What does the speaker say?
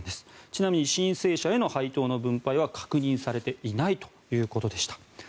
ちなみに申請者への配当の分配は確認されていないということでした。